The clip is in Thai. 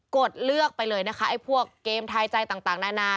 ดเลือกไปเลยนะคะไอ้พวกเกมทายใจต่างนานา